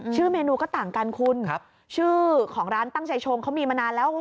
เมนูก็ต่างกันคุณครับชื่อของร้านตั้งใจชงเขามีมานานแล้ว